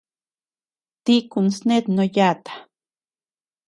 Tíkun snet no yàta.